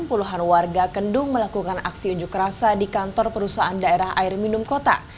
puluhan warga kendung melakukan aksi unjuk rasa di kantor perusahaan daerah air minum kota